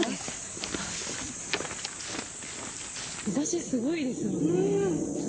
日差しすごいですよね。